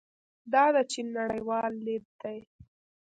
دا د چین نړیوال لید دی.